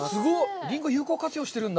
リンゴ有効活用してるんだ。